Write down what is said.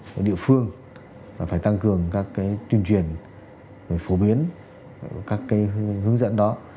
của địa phương là phải tăng cường các cái tuyên truyền phổ biến các cái hướng dẫn đó